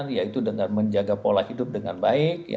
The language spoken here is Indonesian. yaitu dengan menjaga pola hidup dengan baik